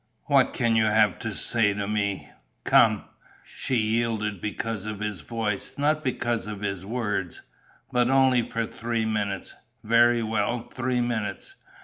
"What can you have to say to me?" "Come." She yielded because of his voice, not because of his words: "But only for three minutes." "Very well, three minutes."